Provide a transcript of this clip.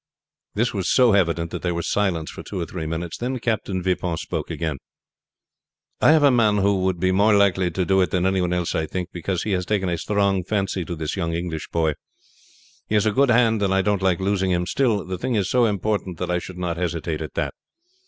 This was so evident that there was silence for two or three minutes, then Captain Vipon spoke again. "I have a man who would be more likely to do it than any one else I think, because he has taken a strong fancy to this young English boy. He is a good hand, and I don't like losing him; still the thing is so important that I should not hesitate at that.